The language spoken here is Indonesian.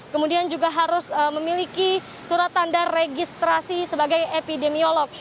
kemudian juga harus memiliki surat tanda registrasi sebagai epidemiolog